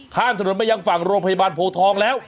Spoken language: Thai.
ข้ามถนนมายังฝั่งโรงพยาบาลโพทองแล้ว